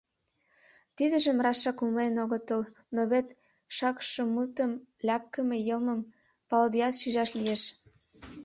Тидыжым рашак умылен огытыл, но вет шакшымутым ляпкыме йылмым палыдеат шижаш лиеш.